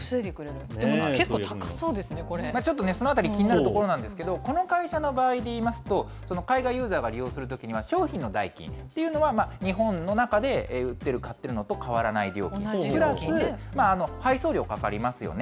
でも、結構、ちょっとね、そのあたり気になるところなんですけど、この会社の場合でいいますと、海外ユーザーが利用するときには、商品の代金っていうのは日本の中で売ってる、買ってるのと変わらない料金、プラス配送料かかりますよね。